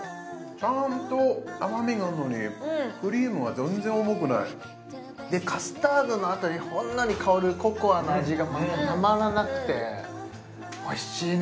ちゃんと甘みがあるのにクリームが全然重くないでカスタードのあとにほんのり香るココアの味がまたたまらなくておいしいね